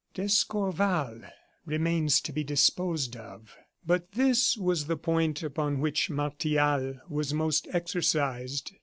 D'Escorval remains to be disposed of " But this was the point upon which Martial was most exercised.